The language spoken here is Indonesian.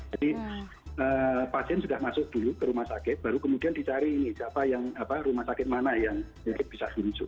jadi pasien sudah masuk dulu ke rumah sakit baru kemudian dicari ini rumah sakit mana yang bisa rujuk